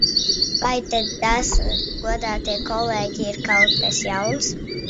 Vai tad tas, godātie kolēģi, ir kaut kas jauns?